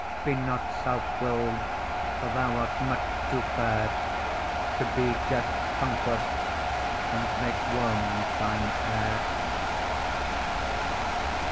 Be not self will'd, for thou art much too fair To be death's conquest and make worms thine heir.